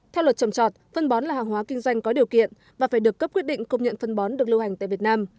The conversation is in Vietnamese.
theo luật trầm trọt phân bón là hàng hóa kinh doanh có điều kiện và phải được cấp quyết định công nhận phân bón được lưu hành tại việt nam